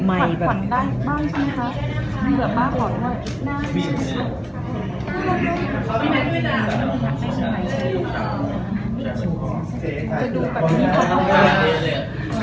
อันนี้ก็มองดูนะคะ